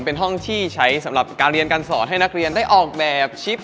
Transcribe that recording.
เป็นห้องที่ใช้สำหรับการเรียนการสอนให้นักเรียนได้ออกแบบชิป